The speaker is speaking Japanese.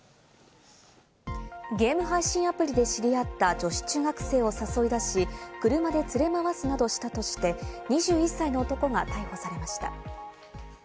ゲーム配信アプリで知り合った女子中学生を誘い出し、車で連れ回すなどして２１歳の男が逮捕されました。